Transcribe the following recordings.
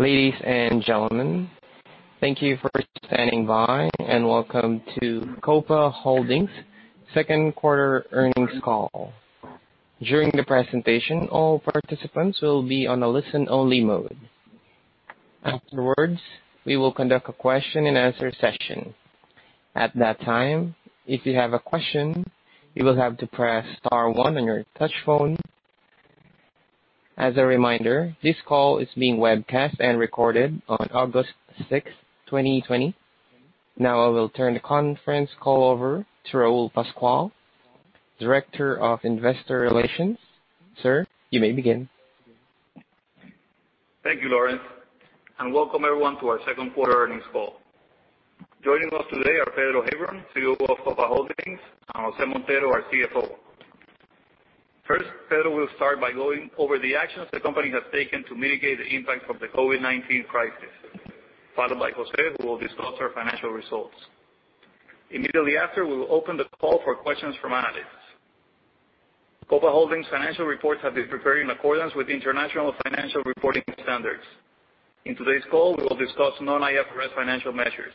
Ladies and gentlemen, thank you for standing by, and welcome to Copa Holdings' second quarter earnings call. During the presentation, all participants will be on a listen-only mode. Afterwards, we will conduct a question and answer session. At that time, if you have a question, you will have to press star one on your touch phone. As a reminder, this call is being webcast and recorded on August 6th, 2020. Now I will turn the conference call over to Raul Pascual, Director of Investor Relations. Sir, you may begin. Thank you, Lawrence, and welcome everyone to our second quarter earnings call. Joining us today are Pedro Heilbron, CEO of Copa Holdings, and José Montero, our CFO. First, Pedro will start by going over the actions the company has taken to mitigate the impact of the COVID-19 crisis, followed by José, who will discuss our financial results. Immediately after, we will open the call for questions from analysts. Copa Holdings financial reports have been prepared in accordance with International Financial Reporting Standards. In today's call, we will discuss non-IFRS financial measures.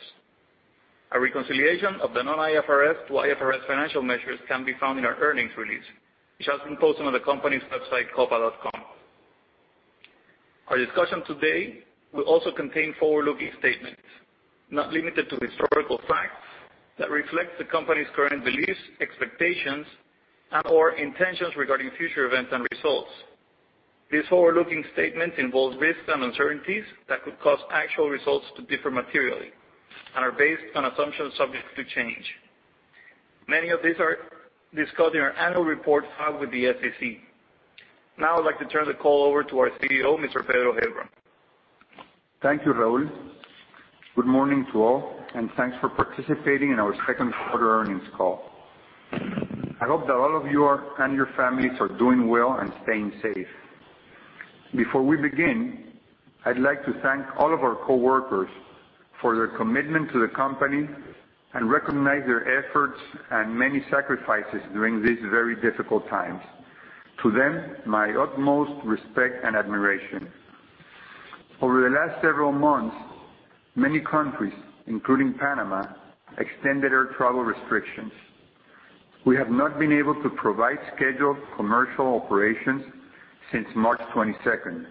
A reconciliation of the non-IFRS to IFRS financial measures can be found in our earnings release, which has been posted on the company's website, copa.com. Our discussion today will also contain forward-looking statements, not limited to historical facts, that reflect the company's current beliefs, expectations, and/or intentions regarding future events and results. These forward-looking statements involve risks and uncertainties that could cause actual results to differ materially and are based on assumptions subject to change. Many of these are discussed in our annual reports filed with the SEC. Now I'd like to turn the call over to our CEO, Mr. Pedro Heilbron. Thank you, Raul. Good morning to all, and thanks for participating in our second quarter earnings call. I hope that all of you and your families are doing well and staying safe. Before we begin, I'd like to thank all of our coworkers for their commitment to the company and recognize their efforts and many sacrifices during these very difficult times. To them, my utmost respect and admiration. Over the last several months, many countries, including Panama, extended air travel restrictions. We have not been able to provide scheduled commercial operations since March 22nd,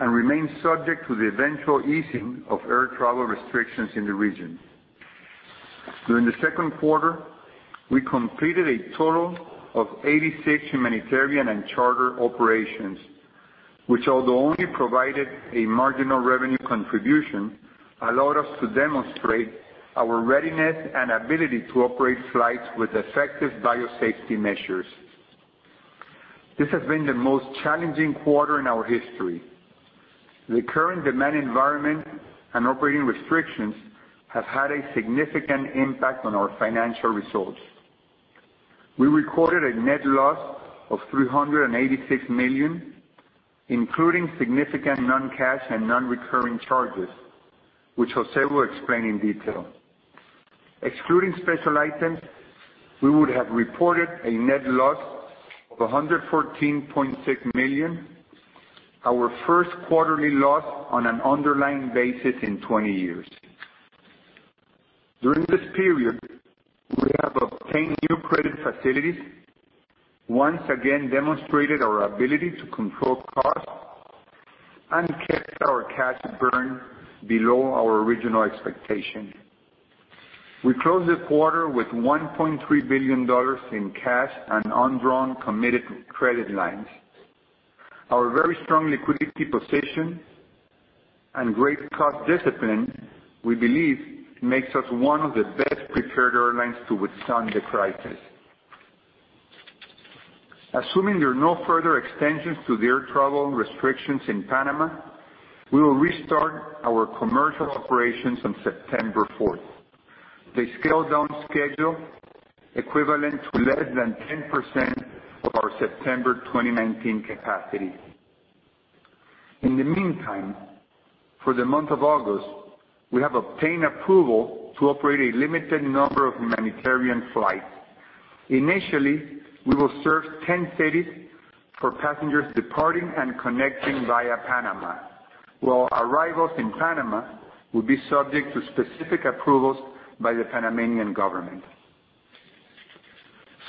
and remain subject to the eventual easing of air travel restrictions in the region. During the second quarter, we completed a total of 86 humanitarian and charter operations, which although only provided a marginal revenue contribution, allowed us to demonstrate our readiness and ability to operate flights with effective biosafety measures. This has been the most challenging quarter in our history. The current demand environment and operating restrictions have had a significant impact on our financial results. We recorded a net loss of $386 million, including significant non-cash and non-recurring charges, which José will explain in detail. Excluding special items, we would have reported a net loss of $114.6 million, our first quarterly loss on an underlying basis in 20 years. During this period, we have obtained new credit facilities, once again demonstrated our ability to control costs, and kept our cash burn below our original expectation. We closed the quarter with $1.3 billion in cash and undrawn committed credit lines. Our very strong liquidity position and great cost discipline, we believe, makes us one of the best-prepared airlines to withstand the crisis. Assuming there are no further extensions to the air travel restrictions in Panama, we will restart our commercial operations on September 4th. The scaled-down schedule equivalent to less than 10% of our September 2019 capacity. In the meantime, for the month of August, we have obtained approval to operate a limited number of humanitarian flights. Initially, we will serve 10 cities for passengers departing and connecting via Panama, while arrivals in Panama will be subject to specific approvals by the Panamanian government.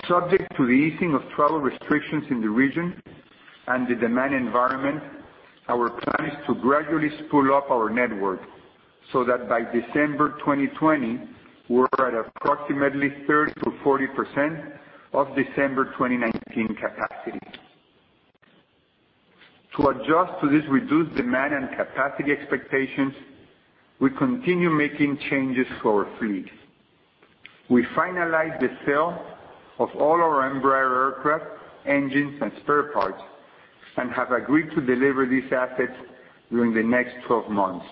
Subject to the easing of travel restrictions in the region and the demand environment, our plan is to gradually spool up our network so that by December 2020, we're at approximately 30%-40% of December 2019 capacity. To adjust to this reduced demand and capacity expectations, we continue making changes to our fleet. We finalized the sale of all our Embraer aircraft, engines, and spare parts and have agreed to deliver these assets during the next 12 months.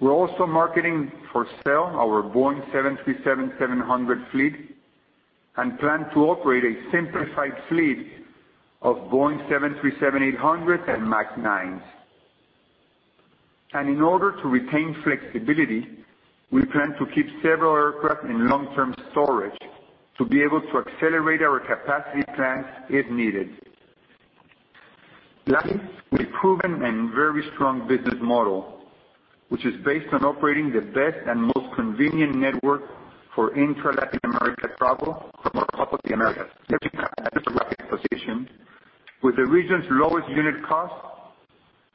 We're also marketing for sale our Boeing 737-700 fleet and plan to operate a simplified fleet of Boeing 737-800 and MAX 9s. In order to retain flexibility, we plan to keep several aircraft in long-term storage to be able to accelerate our capacity plans if needed. Lastly, a proven and very strong business model, which is based on operating the best and most convenient network for intra-Latin America travel from our Hub of the Americas. positioned with the region's lowest unit cost,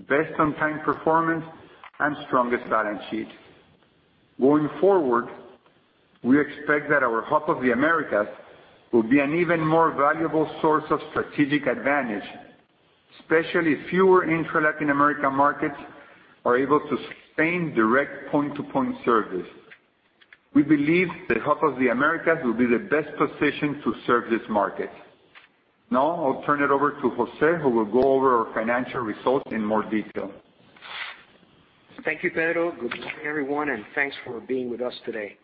best on-time performance, and strongest balance sheet. Going forward, we expect that our Hub of the Americas will be an even more valuable source of strategic advantage, especially if fewer intra-Latin America markets are able to sustain direct point-to-point service. We believe the Hub of the Americas will be the best position to serve this market. Now, I'll turn it over to José, who will go over our financial results in more detail. Thank you, Pedro. Good morning, everyone, and thanks for being with us today.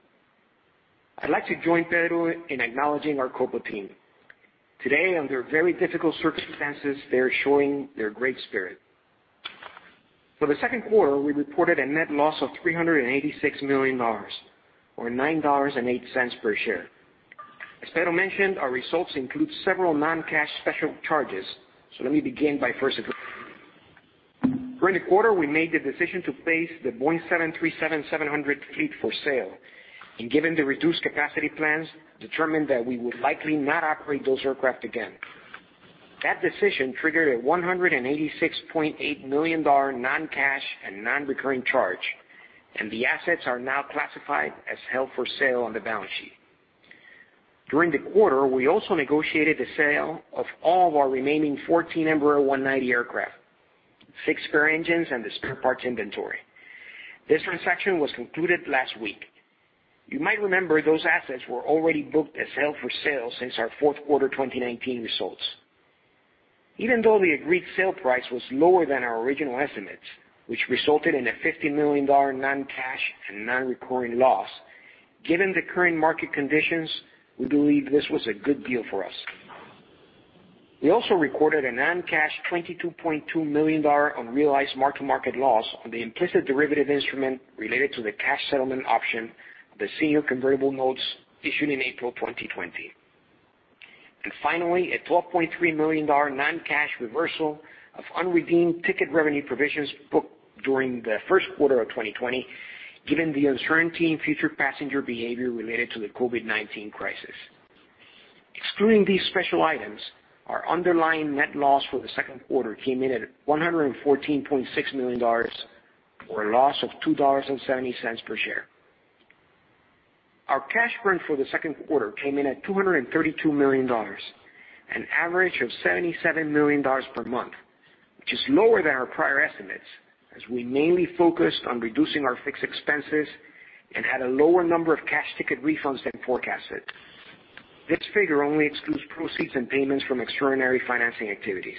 I'd like to join Pedro in acknowledging our Copa team. Today, under very difficult circumstances, they are showing their great spirit. For the second quarter, we reported a net loss of $386 million, or $9.08 per share. As Pedro mentioned, our results include several non-cash special charges, so let me begin by first addressing those. During the quarter, we made the decision to place the Boeing 737-700 fleet for sale, and given the reduced capacity plans, determined that we would likely not operate those aircraft again. That decision triggered a $186.8 million non-cash and non-recurring charge, and the assets are now classified as held for sale on the balance sheet. During the quarter, we also negotiated the sale of all of our remaining 14 Embraer 190 aircraft, six spare engines, and the spare parts inventory. This transaction was concluded last week. You might remember those assets were already booked as held for sale since our fourth quarter 2019 results. Even though the agreed sale price was lower than our original estimates, which resulted in a $50 million non-cash and non-recurring loss, given the current market conditions, we believe this was a good deal for us. We also recorded a non-cash $22.2 million unrealized mark-to-market loss on the implicit derivative instrument related to the cash settlement option of the senior convertible notes issued in April 2020. Finally, a $12.3 million non-cash reversal of unredeemed ticket revenue provisions booked during the first quarter of 2020, given the uncertainty in future passenger behavior related to the COVID-19 crisis. Excluding these special items, our underlying net loss for the second quarter came in at $114.6 million, or a loss of $2.70 per share. Our cash burn for the second quarter came in at $232 million, an average of $77 million per month, which is lower than our prior estimates as we mainly focused on reducing our fixed expenses and had a lower number of cash ticket refunds than forecasted. This figure only excludes proceeds and payments from extraordinary financing activities.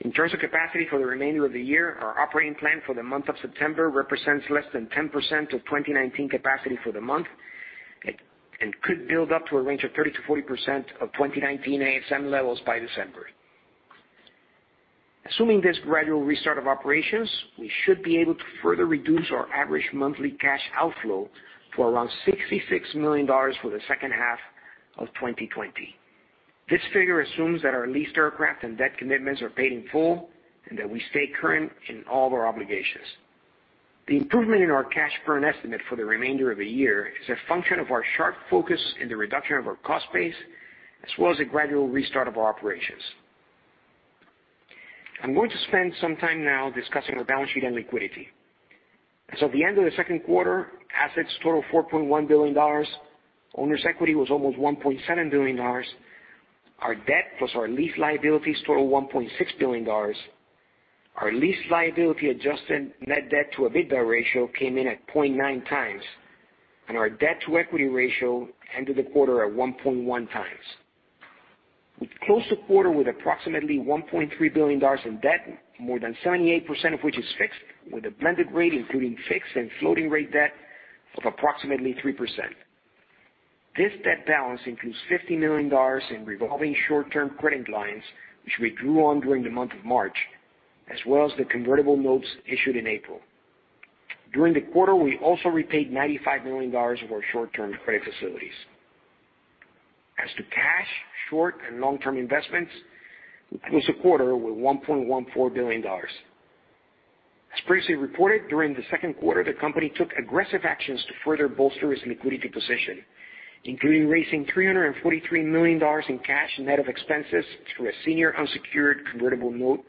In terms of capacity for the remainder of the year, our operating plan for the month of September represents less than 10% of 2019 capacity for the month, and could build up to a range of 30%-40% of 2019 ASM levels by December. Assuming this gradual restart of operations, we should be able to further reduce our average monthly cash outflow to around $66 million for the second half of 2020. This figure assumes that our leased aircraft and debt commitments are paid in full, and that we stay current in all of our obligations. The improvement in our cash burn estimate for the remainder of the year is a function of our sharp focus in the reduction of our cost base, as well as the gradual restart of our operations. I'm going to spend some time now discussing our balance sheet and liquidity. As of the end of the second quarter, assets total $4.1 billion. Owner's equity was almost $1.7 billion. Our debt plus our lease liabilities total $1.6 billion. Our lease liability adjusted net debt to EBITDA ratio came in at 0.9 times, and our debt to equity ratio ended the quarter at 1.1 times. We closed the quarter with approximately $1.3 billion in debt, more than 78% of which is fixed, with a blended rate including fixed and floating rate debt of approximately 3%. This debt balance includes $50 million in revolving short-term credit lines, which we drew on during the month of March, as well as the convertible notes issued in April. During the quarter, we also repaid $95 million of our short-term credit facilities. As to cash, short, and long-term investments, we closed the quarter with $1.14 billion. As previously reported, during the second quarter, the company took aggressive actions to further bolster its liquidity position, including raising $343 million in cash net of expenses through a senior unsecured convertible note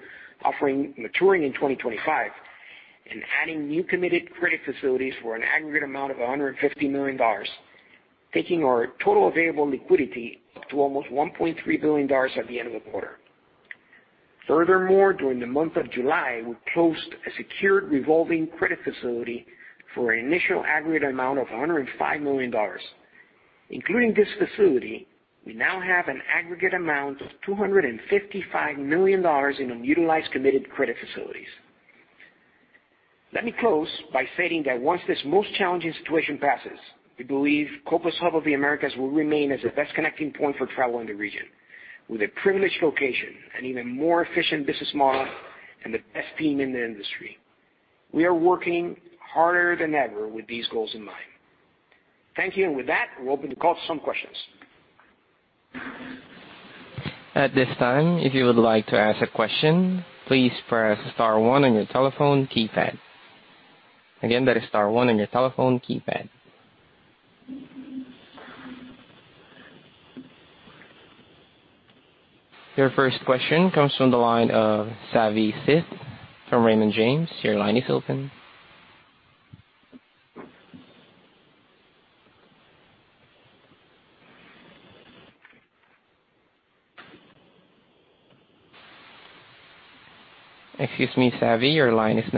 offering maturing in 2025, and adding new committed credit facilities for an aggregate amount of $150 million, taking our total available liquidity up to almost $1.3 billion at the end of the quarter. Furthermore, during the month of July, we closed a secured revolving credit facility for an initial aggregate amount of $105 million. Including this facility, we now have an aggregate amount of $255 million in unutilized committed credit facilities. Let me close by saying that once this most challenging situation passes, we believe Copa's Hub of the Americas will remain as the best connecting point for travel in the region. With a privileged location, an even more efficient business model, and the best team in the industry. We are working harder than ever with these goals in mind. Thank you, and with that, we'll open the call to some questions. Your first question comes from the line of Savanthi Syth from Raymond James. Excuse me, Savi. I guess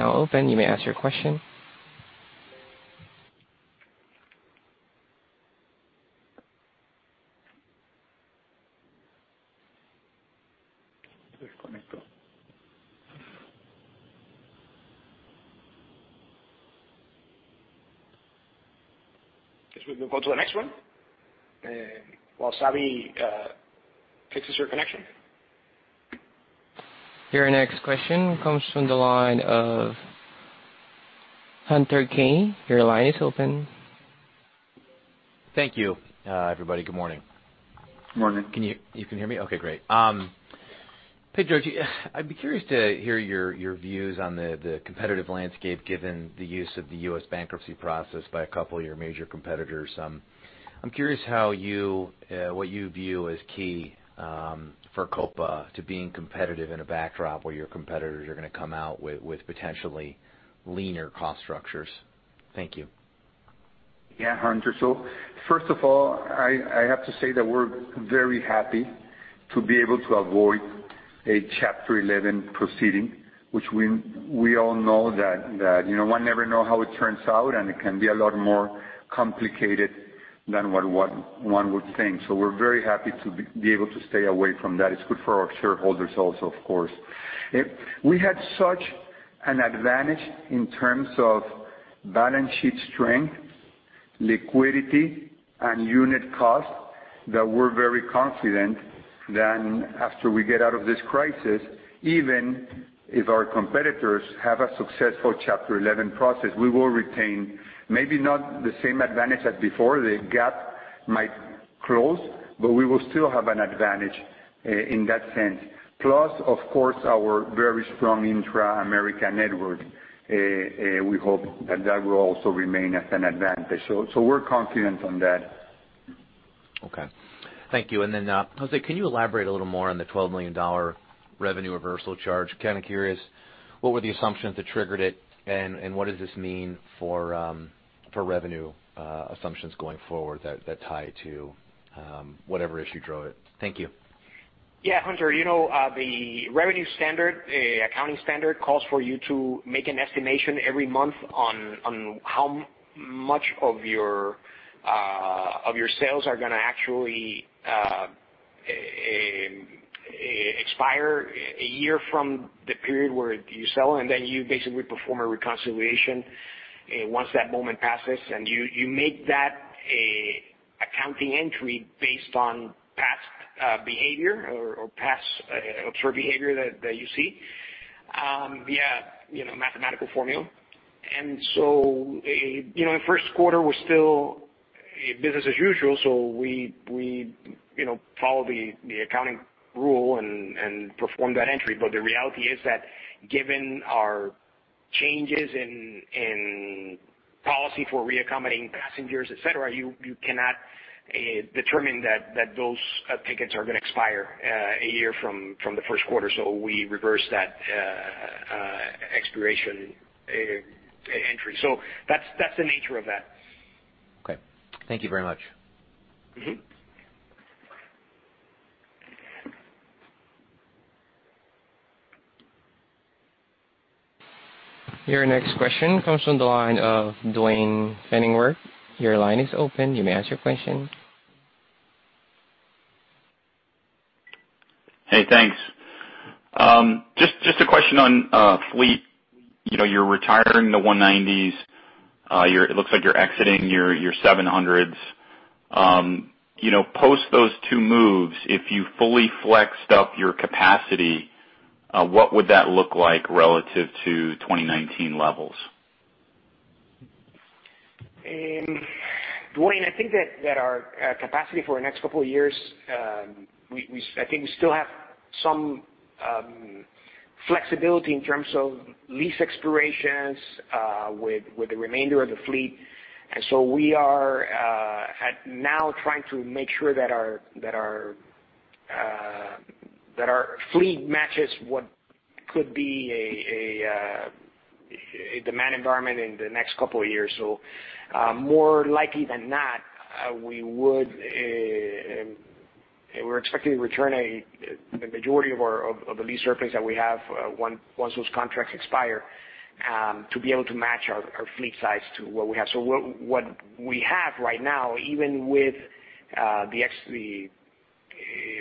we can go to the next one while Savi fixes her connection. Your next question comes from the line of Hunter Keay. Your line is open. Thank you, everybody. Good morning. Morning. You can hear me? Okay, great. Hey, Jorge. I'd be curious to hear your views on the competitive landscape, given the use of the U.S. bankruptcy process by a couple of your major competitors. I'm curious what you view as key for Copa to being competitive in a backdrop where your competitors are going to come out with potentially leaner cost structures. Thank you. Yeah, Hunter. First of all, I have to say that we're very happy to be able to avoid a Chapter 11 proceeding, which we all know that one never know how it turns out, and it can be a lot more complicated than what one would think. We're very happy to be able to stay away from that. It's good for our shareholders also, of course. We had such an advantage in terms of balance sheet strength, liquidity, and unit cost that we're very confident that after we get out of this crisis, even if our competitors have a successful Chapter 11 process, we will retain maybe not the same advantage as before. The gap might close, but we will still have an advantage in that sense. Plus, of course, our very strong intra-American network, we hope that will also remain as an advantage. We're confident on that. Okay. Thank you. José, can you elaborate a little more on the $12 million revenue reversal charge? Kind of curious, what were the assumptions that triggered it, and what does this mean for revenue assumptions going forward that tie to whatever issue drove it? Thank you. Hunter. The revenue standard, accounting standard, calls for you to make an estimation every month on how much of your sales are going to actually expire a year from the period where you sell, and then you basically perform a reconciliation once that moment passes, and you make that a accounting entry based on past behavior or past observed behavior that you see via mathematical formula. In the first quarter, we're still business as usual, so we follow the accounting rule and perform that entry. But the reality is that given our changes in policy for reaccommodating passengers, et cetera, you cannot determine that those tickets are going to expire a year from the first quarter. We reverse that expiration entry. That's the nature of that. Okay. Thank you very much. Your next question comes from the line of Duane Pfennigwerth. Your line is open. You may ask your question. Hey, thanks. Just a question on fleet. You're retiring the 190s. It looks like you're exiting your 700s. Post those two moves, if you fully flexed up your capacity, what would that look like relative to 2019 levels? Duane, I think that our capacity for the next couple of years, I think we still have some flexibility in terms of lease expirations with the remainder of the fleet. We are at now trying to make sure that our fleet matches what could be a demand environment in the next couple of years. More likely than not, we're expecting to return a majority of the lease surplus that we have once those contracts expire, to be able to match our fleet size to what we have. What we have right now, even with the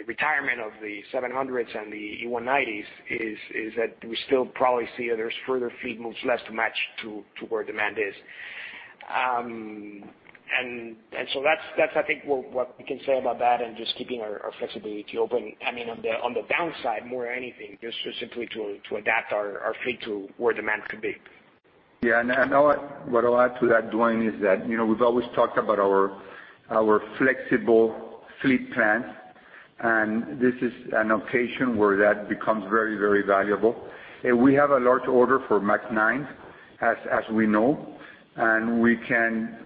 retirement of the 700s and the E190s is that we still probably see there's further fleet moves left to match to where demand is. That's I think what we can say about that and just keeping our flexibility open. On the downside, more anything, just simply to adapt our fleet to where demand could be. Yeah, what I'll add to that, Duane, is that we've always talked about our flexible fleet plans, and this is an occasion where that becomes very, very valuable. We have a large order for MAX 9, as we know, we can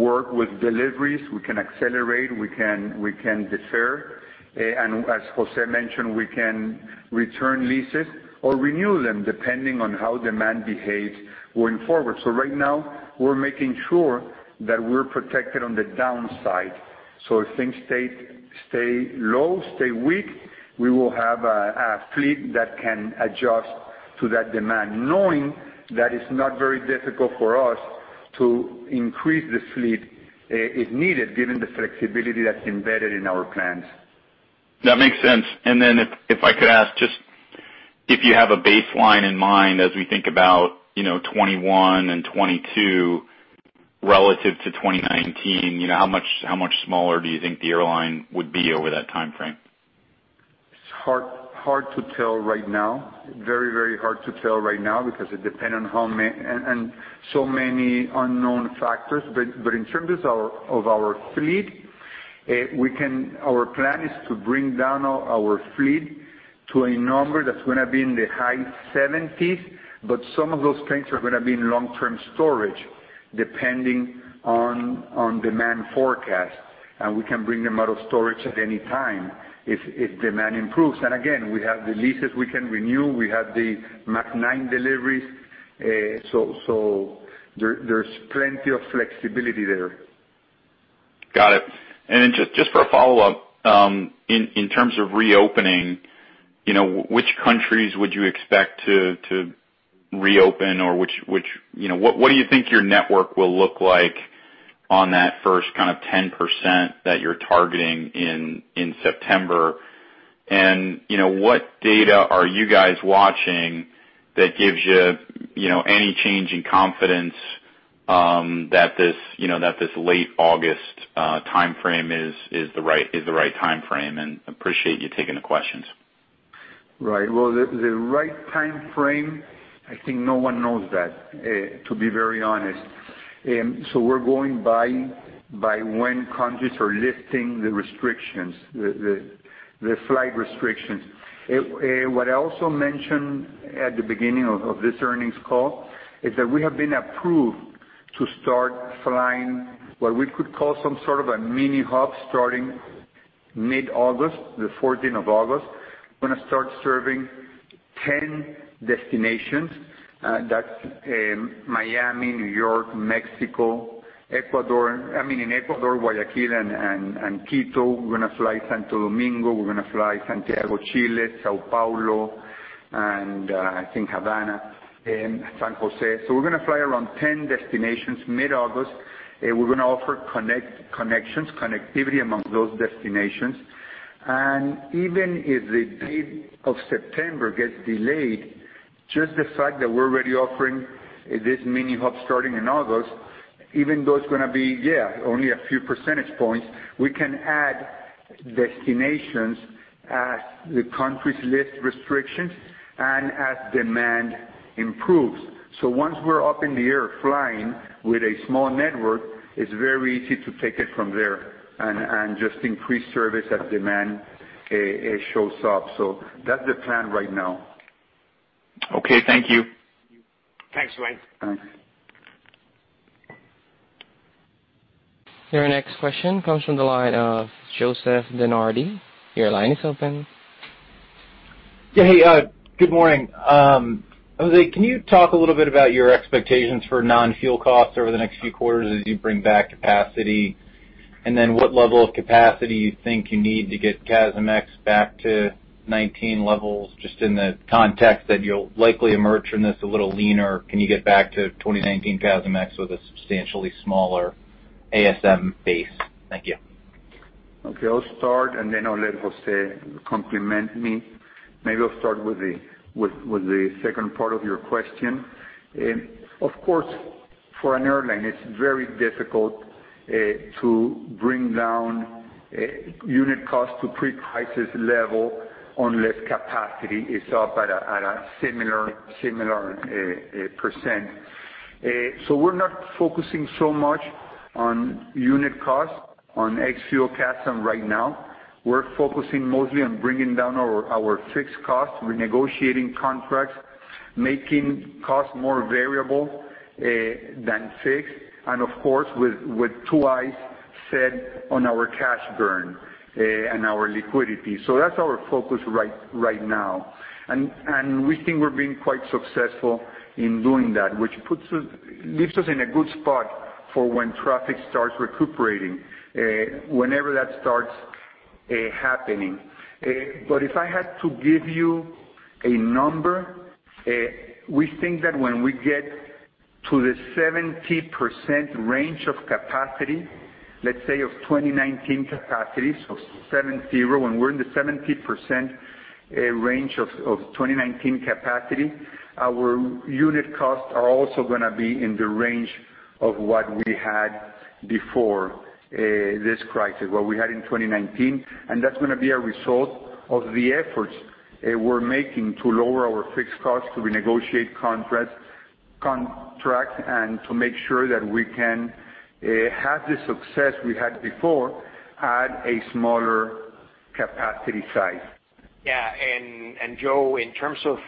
work with deliveries. We can accelerate, we can defer, as José mentioned, we can return leases or renew them depending on how demand behaves going forward. Right now we're making sure that we're protected on the downside. If things stay low, stay weak, we will have a fleet that can adjust to that demand, knowing that it's not very difficult for us to increase the fleet if needed, given the flexibility that's embedded in our plans. That makes sense. If I could ask just if you have a baseline in mind as we think about 2021 and 2022 relative to 2019, how much smaller do you think the airline would be over that timeframe? It's hard to tell right now. Very hard to tell right now because it depend on so many unknown factors. In terms of our fleet, our plan is to bring down our fleet to a number that's going to be in the high 70s, but some of those planes are going to be in long-term storage, depending on demand forecast. We can bring them out of storage at any time if demand improves. Again, we have the leases we can renew, we have the MAX 9 deliveries. There's plenty of flexibility there. Got it. Just for a follow-up, in terms of reopening, which countries would you expect to reopen or what do you think your network will look like on that first kind of 10% that you're targeting in September? What data are you guys watching that gives you any change in confidence that this late August timeframe is the right timeframe and appreciate you taking the questions. Right. Well, the right timeframe, I think no one knows that, to be very honest. We're going by when countries are lifting the restrictions, the flight restrictions. What I also mentioned at the beginning of this earnings call is that we have been approved to start flying, what we could call some sort of a mini-hub starting mid-August, the 14th of August. We're going to start serving 10 destinations. That's Miami, New York, Mexico, Ecuador, I mean in Ecuador, Guayaquil and Quito. We're going to fly Santo Domingo, we're going to fly Santiago, Chile, São Paulo, and I think Havana and San José. We're going to fly around 10 destinations mid-August. We're going to offer connections, connectivity among those destinations. Even if the date of September gets delayed, just the fact that we're already offering this mini-hub starting in August, even though it's going to be, yeah, only a few percentage points, we can add destinations as the countries lift restrictions and as demand improves. Once we're up in the air flying with a small network, it's very easy to take it from there and just increase service as demand shows up. That's the plan right now. Okay. Thank you. Thanks, Duane. Thanks. Your next question comes from the line of Joseph DeNardi. Your line is open. Yeah. Hey, good morning. José, can you talk a little bit about your expectations for non-fuel costs over the next few quarters as you bring back capacity? Then what level of capacity you think you need to get CASM ex back to 2019 levels, just in the context that you'll likely emerge from this a little leaner. Can you get back to 2019 CASM ex with a substantially smaller ASM base? Thank you. Okay. I'll start and then I'll let José complement me. Maybe I'll start with the second part of your question. Of course, for an airline, it's very difficult to bring down unit cost to pre-crisis level unless capacity is up at a similar %. We're not focusing so much on unit cost on ex-fuel CASM right now. We're focusing mostly on bringing down our fixed costs, renegotiating contracts, making costs more variable than fixed, and of course, with two eyes set on our cash burn and our liquidity. That's our focus right now. We think we're being quite successful in doing that, which leaves us in a good spot for when traffic starts recuperating, whenever that starts happening. If I had to give you a number, we think that when we get to the 70% range of capacity, let's say of 2019 capacity. 70, when we're in the 70% range of 2019 capacity, our unit costs are also going to be in the range of what we had before this crisis, what we had in 2019, and that's going to be a result of the efforts we're making to lower our fixed costs, to renegotiate contracts, and to make sure that we can have the success we had before at a smaller capacity size. Yeah. Joe, in terms of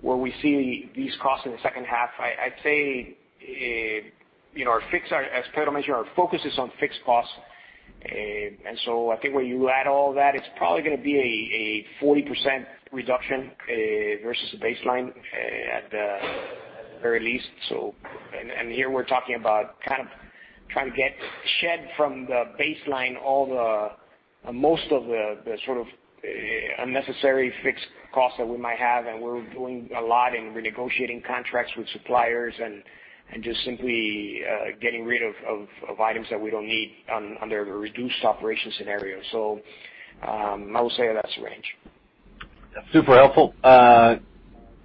where we see these costs in the second half, I'd say, as Pedro mentioned, our focus is on fixed costs. I think where you add all that, it's probably going to be a 40% reduction versus baseline at the very least. Here we're talking about kind of trying to shed from the baseline most of the unnecessary fixed costs that we might have, and we're doing a lot in renegotiating contracts with suppliers and just simply getting rid of items that we don't need under a reduced operation scenario. I would say that's the range. Super helpful.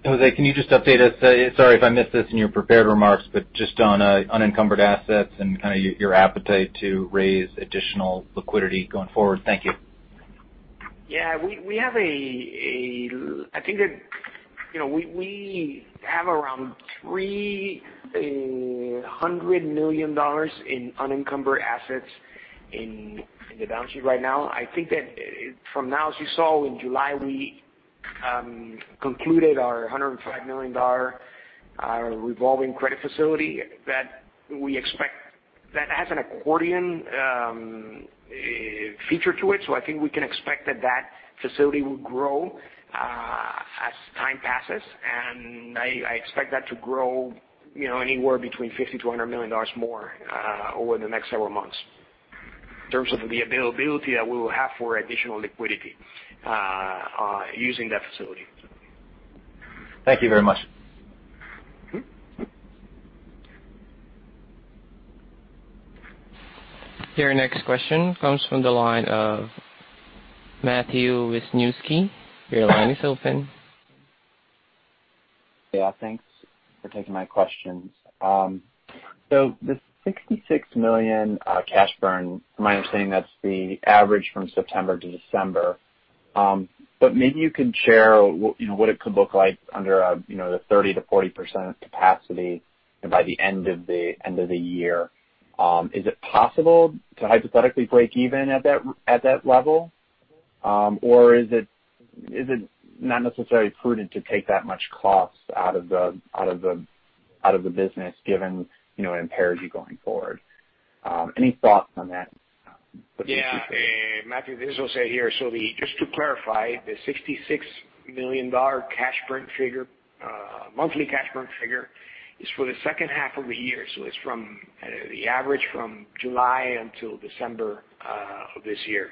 José, can you just update us, sorry if I missed this in your prepared remarks, but just on unencumbered assets and kind of your appetite to raise additional liquidity going forward. Thank you. Yeah. We have around $300 million in unencumbered assets in the balance sheet right now. I think that from now, as you saw in July, we concluded our $105 million revolving credit facility. That has an accordion feature to it. I think we can expect that facility will grow as time passes, and I expect that to grow anywhere between $50 million-$100 million more over the next several months in terms of the availability that we will have for additional liquidity using that facility. Thank you very much. Your next question comes from the line of Matthew Wisniewski. Your line is open. Yeah, thanks for taking my questions. The $66 million cash burn, am I understanding that's the average from September to December? Maybe you could share what it could look like under the 30%-40% capacity by the end of the year. Is it possible to hypothetically break even at that level? Is it not necessarily prudent to take that much cost out of the business given it impairs you going forward? Any thoughts on that? Matthew, this is José here. Just to clarify, the $66 million monthly cash burn figure is for the second half of the year. It's the average from July until December of this year.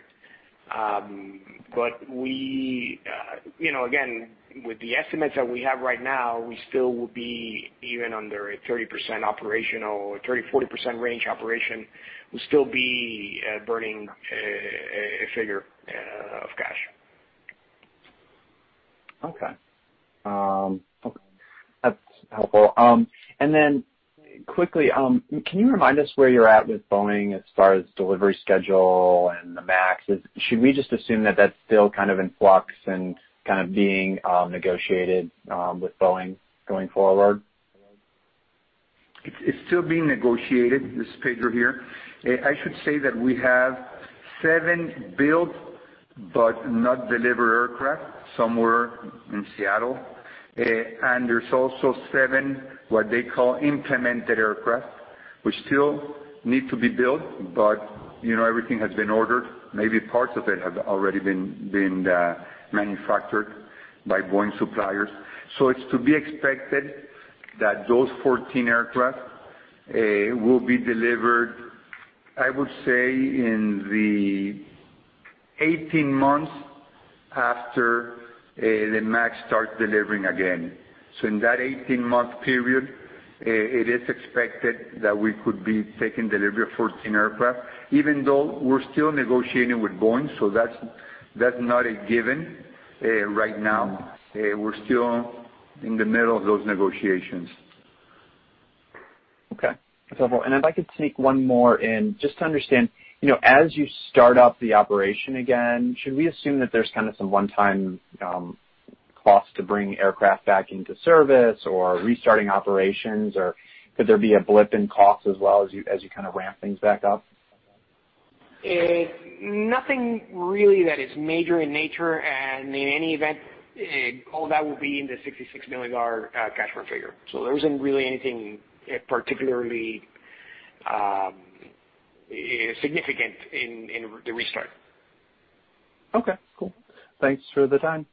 With the estimates that we have right now, we still will be even under a 30% operational or 30%-40% range operation, we'll still be burning a figure of cash. Okay. That's helpful. Quickly, can you remind us where you're at with Boeing as far as delivery schedule and the MAX? Should we just assume that that's still kind of in flux and kind of being negotiated with Boeing going forward? It's still being negotiated. This is Pedro here. I should say that we have seven built but not delivered aircraft somewhere in Seattle. There's also seven, what they call [intemented aircraft], which still need to be built, but everything has been ordered. Maybe parts of it have already been manufactured by Boeing suppliers. It's to be expected that those 14 aircraft will be delivered, I would say, in the 18 months after the MAX starts delivering again. In that 18-month period, it is expected that we could be taking delivery of 14 aircraft, even though we're still negotiating with Boeing. That's not a given right now. We're still in the middle of those negotiations. Okay. That's helpful. If I could sneak one more in. Just to understand, as you start up the operation again, should we assume that there's some one-time cost to bring aircraft back into service or restarting operations? Could there be a blip in cost as well as you kind of ramp things back up? Nothing really that is major in nature. In any event, all that will be in the $66 million cash burn figure. There isn't really anything particularly significant in the restart. Okay, cool. Thanks for the time.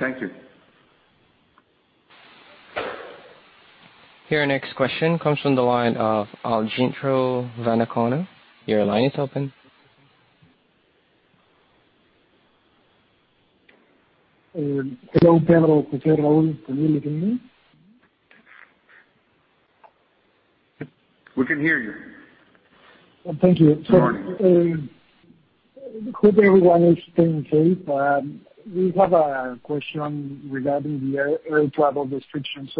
Thank you. Your next question comes from the line of Alejandro Vanacona. Your line is open. Hello, panel. This is Alejandro. Can you listen to me? We can hear you. Thank you. Good morning. Hope everyone is staying safe. We have a question regarding the air travel restrictions.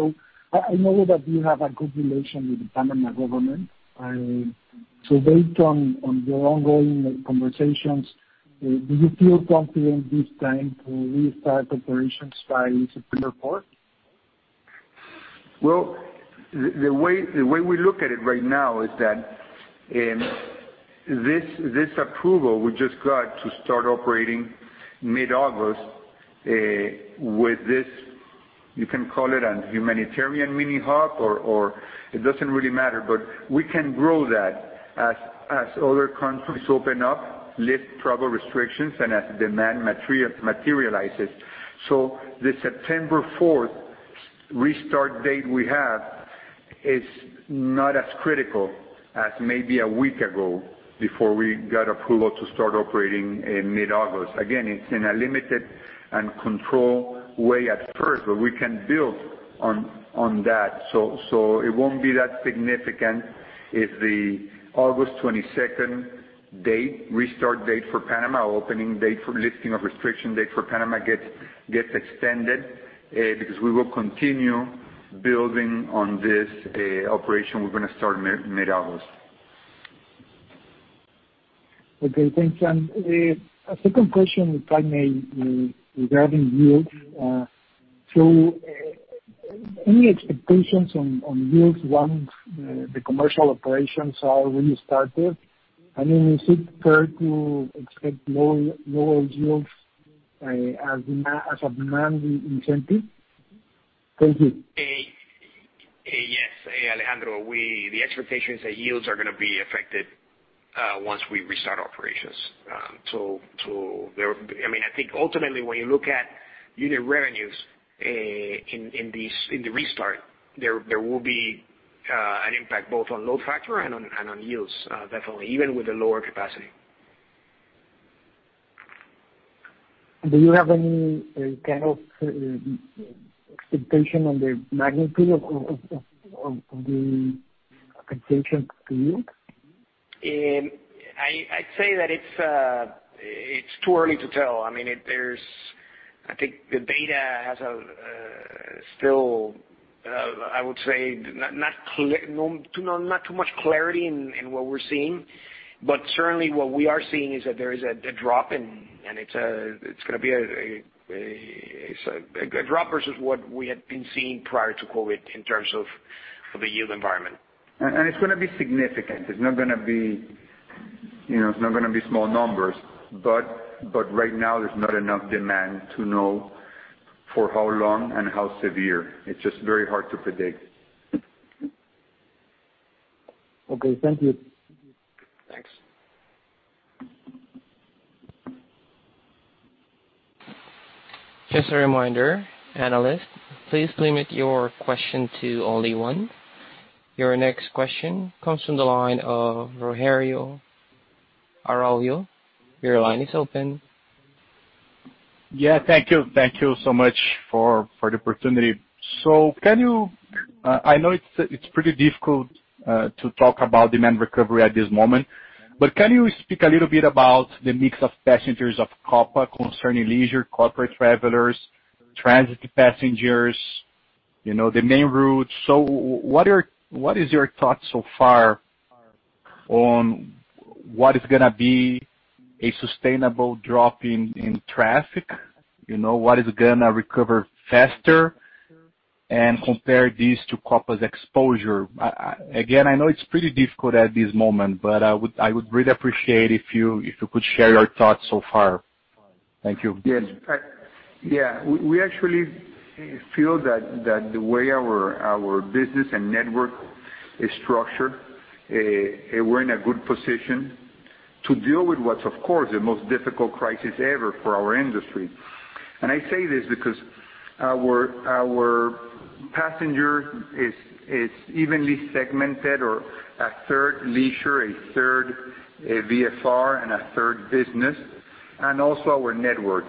I know that you have a good relation with the Panama government. Based on your ongoing conversations, do you feel confident this time to restart operations by September 4th? Well, the way we look at it right now is that this approval we just got to start operating mid-August, with this, you can call it a humanitarian mini hub, or it doesn't really matter, but we can grow that as other countries open up, lift travel restrictions, and as demand materializes. The September 4th restart date we have is not as critical as maybe a week ago, before we got approval to start operating in mid-August. Again, it's in a limited and controlled way at first, but we can build on that. It won't be that significant if the August 22nd restart date for Panama, opening date for lifting of restriction date for Panama gets extended, because we will continue building on this operation we're going to start mid-August. Okay, thanks. A second question, if I may, regarding yields. Is it fair to expect lower yields as demand incentives? Thank you. Yes. Alejandro, the expectation is that yields are going to be affected once we restart operations. I think ultimately, when you look at unit revenues in the restart, there will be an impact both on load factor and on yields, definitely, even with the lower capacity. Do you have any kind of expectation on the magnitude of the potential yield? I'd say that it's too early to tell. I think the data has still, I would say, not too much clarity in what we're seeing. Certainly, what we are seeing is that there is a drop, and it's going to be a drop versus what we had been seeing prior to COVID in terms of the yield environment. It's going to be significant. It's not going to be small numbers. Right now, there's not enough demand to know for how long and how severe. It's just very hard to predict. Okay. Thank you. Thanks. Just a reminder, analysts, please limit your question to only one. Your next question comes from the line of Rogério Araujo. Your line is open. Yeah, thank you. Thank you so much for the opportunity. I know it's pretty difficult to talk about demand recovery at this moment, can you speak a little bit about the mix of passengers of Copa concerning leisure, corporate travelers, transit passengers, the main routes? What is your thought so far on what is going to be a sustainable drop in traffic? What is going to recover faster? Compare this to Copa's exposure. Again, I know it's pretty difficult at this moment, but I would really appreciate if you could share your thoughts so far. Thank you. Yes. We actually feel that the way our business and network is structured, we're in a good position to deal with what's, of course, the most difficult crisis ever for our industry. I say this because our passenger is evenly segmented, or a third leisure, a third VFR, and a third business. Also our network.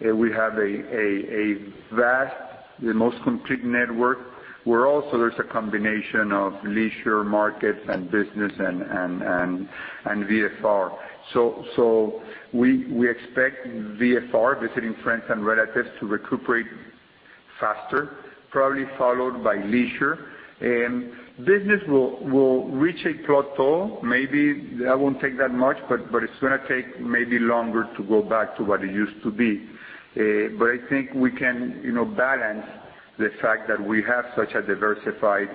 We have a vast, the most complete network, where also there's a combination of leisure markets and business and VFR. We expect VFR, visiting friends and relatives, to recuperate faster, probably followed by leisure. Business will reach a plateau. Maybe that won't take that much, but it's going to take maybe longer to go back to what it used to be. I think we can balance the fact that we have such a diversified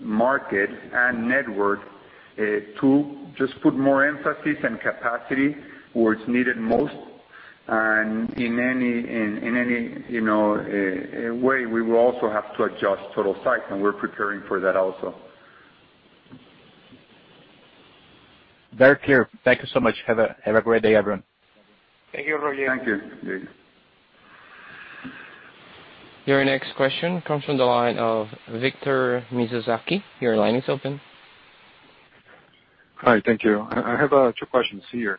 market and network to just put more emphasis and capacity where it's needed most. In any way, we will also have to adjust total size, and we're preparing for that also. Very clear. Thank you so much. Have a great day, everyone. Thank you, Rogério. Thank you. Your next question comes from the line of Victor Mizusaki. Your line is open. Hi, thank you. I have two questions here.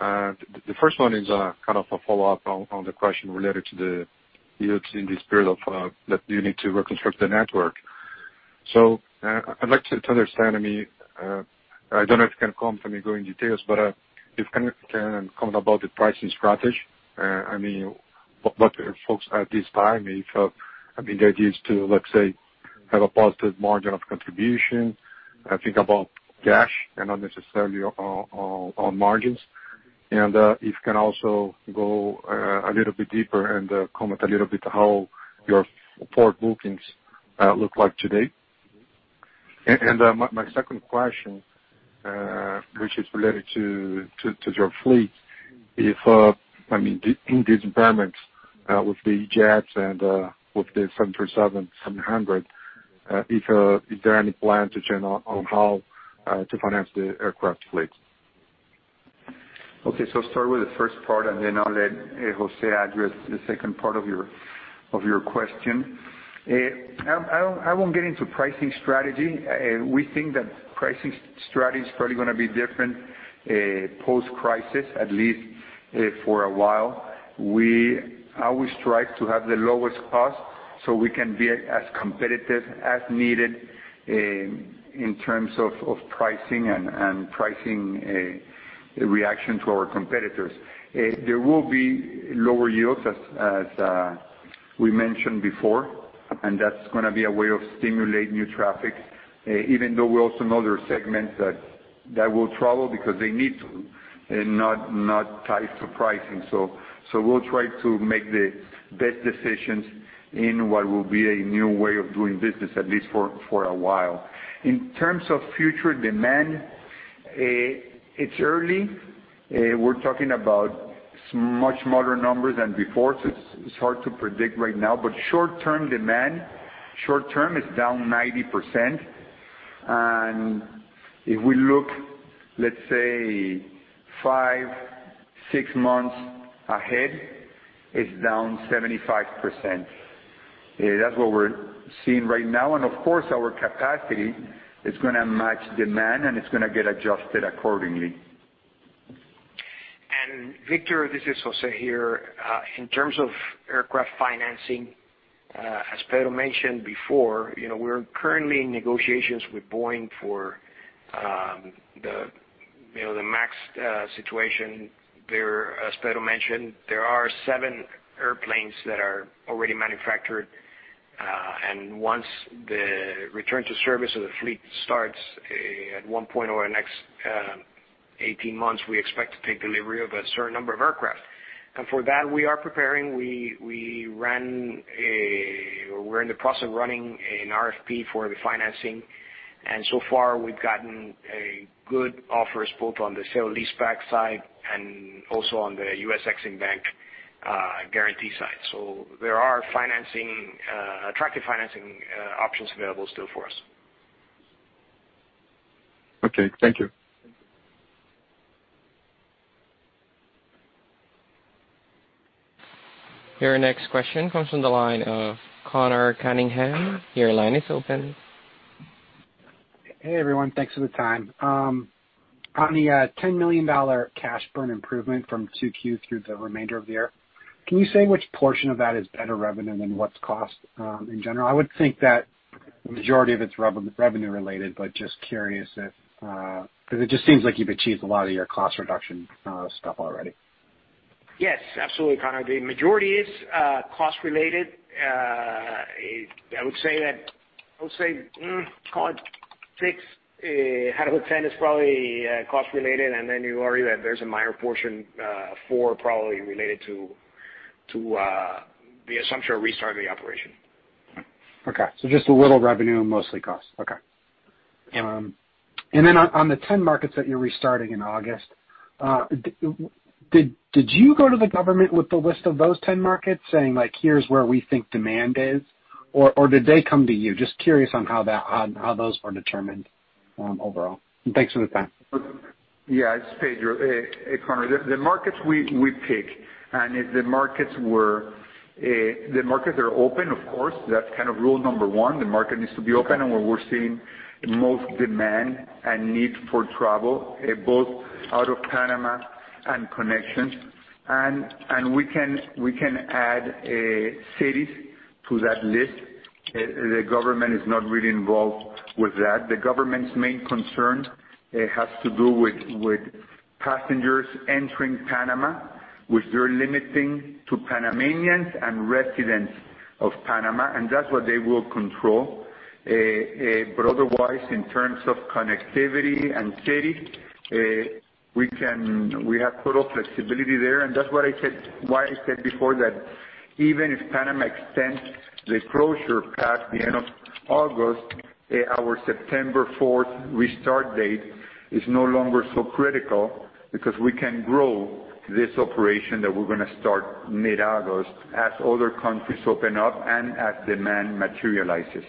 The first one is kind of a follow-up on the question related to the yields in this period that you need to reconstruct the network. I'd like to understand, I mean, I don't know if you can comment, maybe go in detail, but if you can comment about the pricing strategy. I mean, what are your thoughts at this time? If the idea is to, let's say, have a positive margin of contribution, think about cash and not necessarily on margins. If you can also go a little bit deeper and comment a little bit how your forward bookings look like today. My second question, which is related to your fleet. I mean, in this environment, with the jets and with the 737-700, if there are any plans to [turn on off] how to finance the aircraft fleet. Okay, start with the first part, and then I'll let José address the second part of your question. I won't get into pricing strategy. We think that pricing strategy is probably going to be different post-crisis, at least for a while. We always strive to have the lowest cost so we can be as competitive as needed in terms of pricing and pricing reaction to our competitors. There will be lower yields as we mentioned before, and that's going to be a way of stimulating new traffic, even though we also know there are segments that will travel because they need to and not tied to pricing. We'll try to make the best decisions in what will be a new way of doing business, at least for a while. In terms of future demand, it's early. We're talking about much smaller numbers than before, so it's hard to predict right now. Short-term demand is down 90%, and if we look, let's say five, six months ahead, it's down 75%. That's what we're seeing right now, and of course, our capacity is going to match demand, and it's going to get adjusted accordingly. Victor, this is José here. In terms of aircraft financing, as Pedro mentioned before, we're currently in negotiations with Boeing for the MAX situation there. As Pedro mentioned, there are seven airplanes that are already manufactured, and once the return to service of the fleet starts at one point over the next 18 months, we expect to take delivery of a certain number of aircraft. For that, we are preparing. We're in the process of running an RFP for the financing, and so far, we've gotten good offers both on the sale leaseback side and also on the U.S. Ex-Im Bank guarantee side. There are attractive financing options available still for us. Okay. Thank you. Your next question comes from the line of Conor Cunningham. Your line is open. Hey, everyone. Thanks for the time. On the $10 million cash burn improvement from 2Q through the remainder of the year, can you say which portion of that is better revenue than what's cost in general? I would think that the majority of it is revenue-related, but just curious if it just seems like you've achieved a lot of your cost reduction stuff already. Yes, absolutely, Conor. The majority is cost related. I would say, call it six out of 10 is probably cost related, and then you are right, there's a minor portion, four probably, related to the assumption of restarting the operation. Okay. Just a little revenue, mostly cost. Okay. Yeah. On the 10 markets that you're restarting in August, did you go to the government with the list of those 10 markets saying, "Here's where we think demand is," or did they come to you? Just curious on how those are determined overall. Thanks for the time. Yeah. It's Pedro. Hey, Conor. The markets we pick, and if the markets are open, of course, that's kind of rule number one, the market needs to be open, and where we're seeing the most demand and need for travel, both out of Panama and connections. We can add cities to that list. The government is not really involved with that. The government's main concern has to do with passengers entering Panama, which they're limiting to Panamanians and residents of Panama, and that's what they will control. Otherwise, in terms of connectivity and cities, we have total flexibility there, and that's why I said before that even if Panama extends the closure past the end of August, our September 4th restart date is no longer so critical because we can grow this operation that we're going to start mid-August as other countries open up and as demand materializes.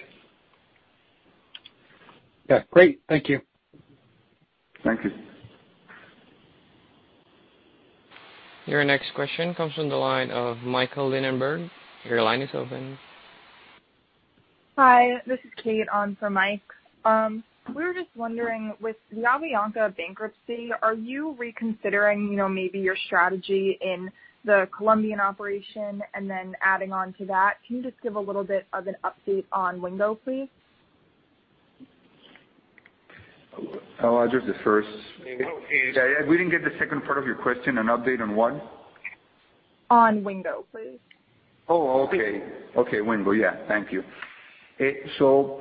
Yeah, great. Thank you. Thank you. Your next question comes from the line of Michael Linenberg. Your line is open. Hi, this is Kate on for Mike. We were just wondering, with the Avianca bankruptcy, are you reconsidering maybe your strategy in the Colombian operation? Adding on to that, can you just give a little bit of an update on Wingo, please? I'll address the first. Wingo please. We didn't get the second part of your question, an update on what? On Wingo, please. Oh, okay. Okay, Wingo. Yeah, thank you. We're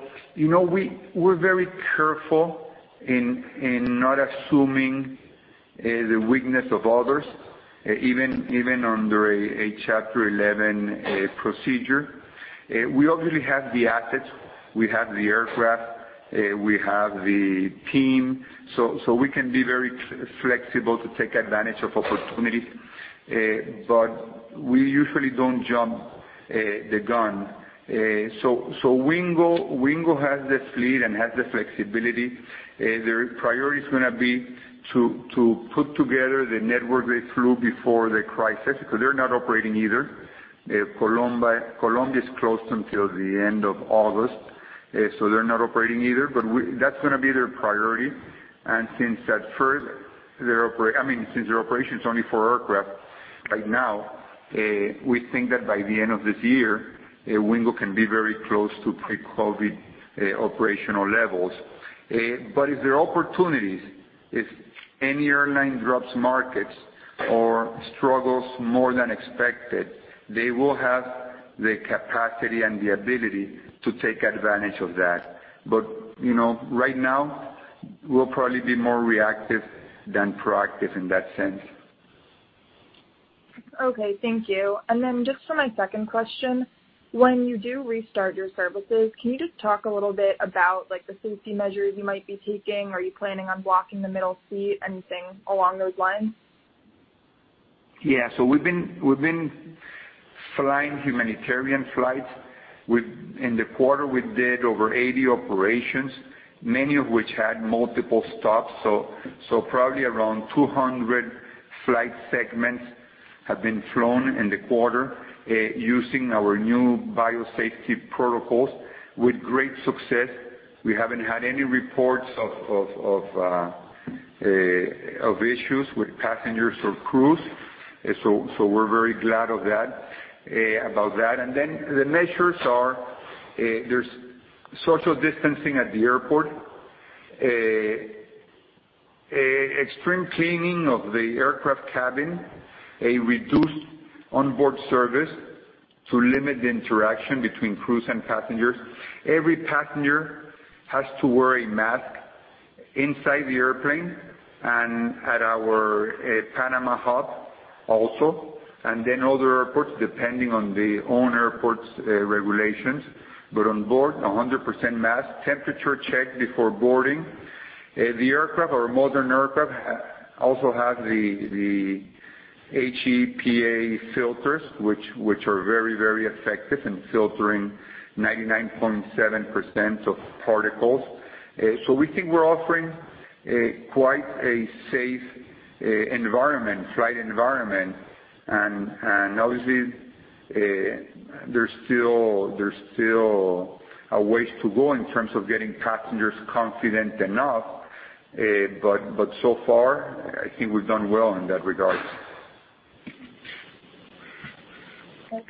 very careful in not assuming the weakness of others, even under a Chapter 11 procedure. We obviously have the assets. We have the aircraft. We have the team. We can be very flexible to take advantage of opportunities, but we usually don't jump the gun. Wingo has the fleet and has the flexibility. Their priority is going to be to put together the network they flew before the crisis, because they're not operating either. Colombia is closed until the end of August, so they're not operating either. That's going to be their priority, and since their operation is only four aircraft right now, we think that by the end of this year, Wingo can be very close to pre-COVID operational levels. If there are opportunities, if any airline drops markets or struggles more than expected, they will have the capacity and the ability to take advantage of that. Right now, we'll probably be more reactive than proactive in that sense. Okay, thank you. Then just for my second question, when you do restart your services, can you just talk a little bit about the safety measures you might be taking? Are you planning on blocking the middle seat? Anything along those lines? Yeah. We've been flying humanitarian flights. In the quarter, we did over 80 operations, many of which had multiple stops. Probably around 200 flight segments have been flown in the quarter using our new biosafety protocols with great success. We haven't had any reports of issues with passengers or crews, we're very glad about that. The measures are, there's social distancing at the airport, extreme cleaning of the aircraft cabin, a reduced onboard service to limit the interaction between crews and passengers. Every passenger has to wear a mask inside the airplane and at our Panama hub also, other airports, depending on the own airport's regulations. On board, 100% mask, temperature check before boarding. The aircraft are modern aircraft, also have the HEPA filters, which are very, very effective in filtering 99.7% of particles. We think we're offering quite a safe flight environment. Obviously, there's still a ways to go in terms of getting passengers confident enough. So far, I think we've done well in that regards.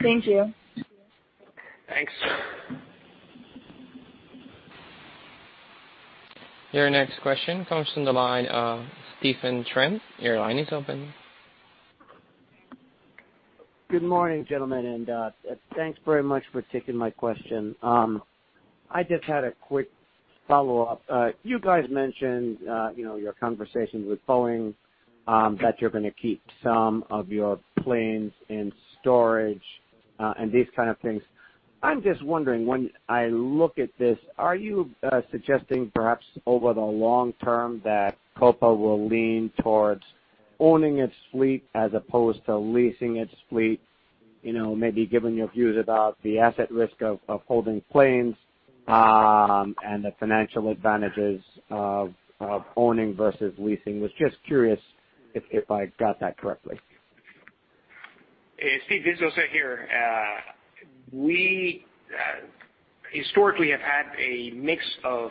Thank you. Thanks. Your next question comes from the line of Stephen Trent. Your line is open. Good morning, gentlemen, and thanks very much for taking my question. I just had a quick follow-up. You guys mentioned your conversations with Boeing, that you're going to keep some of your planes in storage, and these kind of things. I'm just wondering, when I look at this, are you suggesting perhaps over the long term that Copa will lean towards owning its fleet as opposed to leasing its fleet? Maybe given your views about the asset risk of holding planes, and the financial advantages of owning versus leasing. Was just curious if I got that correctly. Steve, this is José here. We historically have had a mix of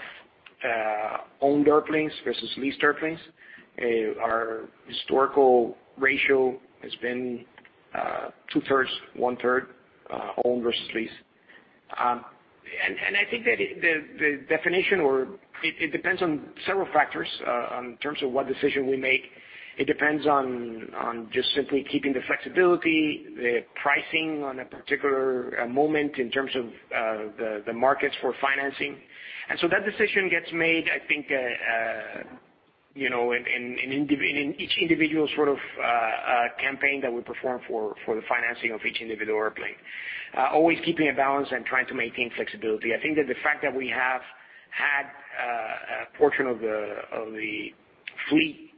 owned airplanes versus leased airplanes. Our historical ratio has been two-thirds, one-third owned versus leased. I think that the definition, it depends on several factors in terms of what decision we make. It depends on just simply keeping the flexibility, the pricing on a particular moment in terms of the markets for financing. That decision gets made, I think, in each individual sort of campaign that we perform for the financing of each individual airplane. Always keeping a balance and trying to maintain flexibility. I think that the fact that we have had a portion of the fleet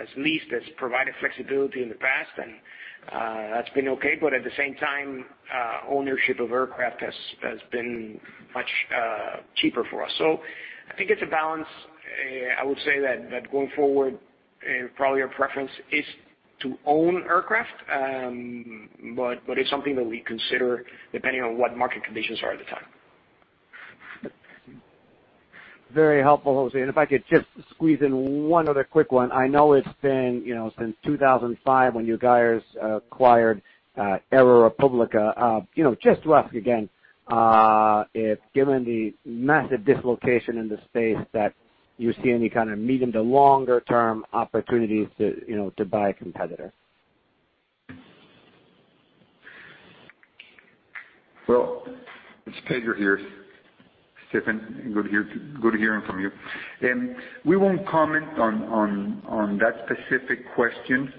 as leased has provided flexibility in the past. That's been okay. At the same time, ownership of aircraft has been much cheaper for us. I think it's a balance. I would say that going forward, probably our preference is to own aircraft. It's something that we consider depending on what market conditions are at the time. Very helpful, José. If I could just squeeze in one other quick one. I know it's been since 2005 when you guys acquired AeroRepública. Just to ask again, if given the massive dislocation in the space, that you see any kind of medium to longer term opportunities to buy a competitor? Well, it's Pedro here. Stephen, good hearing from you. We won't comment on that specific question.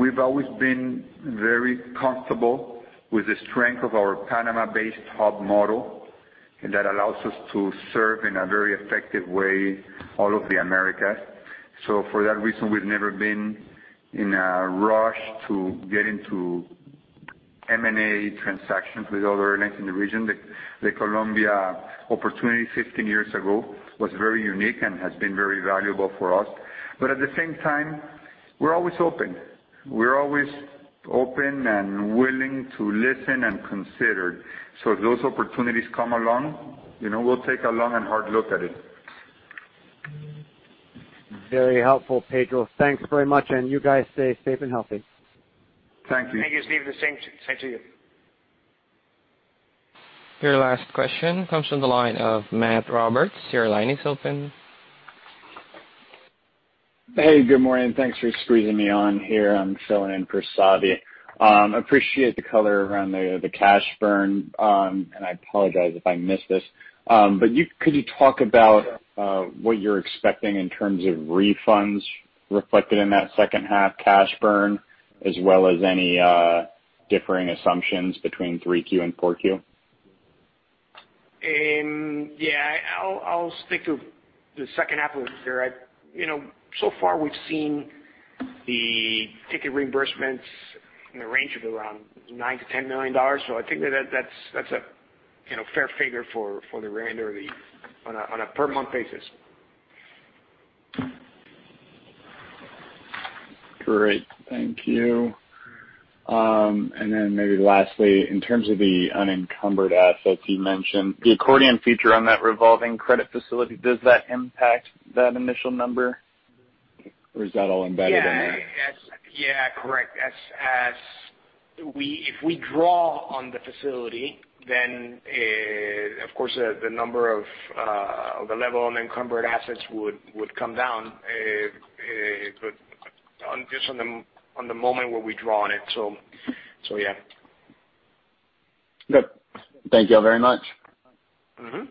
We've always been very comfortable with the strength of our Panama-based hub model, that allows us to serve in a very effective way, all of the Americas. For that reason, we've never been in a rush to get into M&A transactions with other airlines in the region. The Colombia opportunity 15 years ago was very unique and has been very valuable for us. At the same time, we're always open. We're always open and willing to listen and consider. If those opportunities come along, we'll take a long and hard look at it. Very helpful, Pedro. Thanks very much. You guys stay safe and healthy. Thank you. Thank you, Steve. The same to you. Your last question comes from the line of Matt Roberts, your line is open. Hey, good morning. Thanks for squeezing me on here. I'm filling in for Savi. Appreciate the color around the cash burn, and I apologize if I missed this. Could you talk about what you're expecting in terms of refunds reflected in that second half cash burn, as well as any differing assumptions between 3Q and 4Q? Yeah. I'll stick to the second half of it, Matt. So far, we've seen the ticket reimbursements in the range of around $9 million-$10 million. I think that's a fair figure for the remainder on a per month basis. Great. Thank you. Maybe lastly, in terms of the unencumbered assets you mentioned, the accordion feature on that revolving credit facility, does that impact that initial number? Or is that all embedded in that? Yeah. Correct. If we draw on the facility, then of course, the level of unencumbered assets would come down. Just on the moment where we draw on it. Yeah. Good. Thank you all very much. Mm-hmm.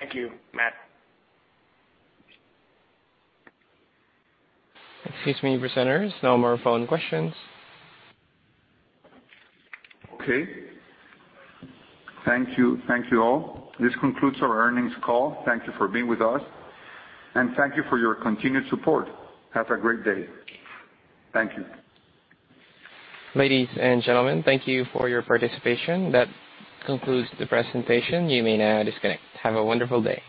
Thank you, Matt. Excuse me, presenters. No more phone questions. Okay. Thank you all. This concludes our earnings call. Thank you for being with us, and thank you for your continued support. Have a great day. Thank you. Ladies and gentlemen, thank you for your participation. That concludes the presentation. You may now disconnect. Have a wonderful day.